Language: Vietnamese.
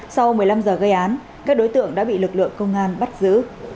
sau một mươi năm giờ gây án các đối tượng đã bị lực lượng công an bắt giữ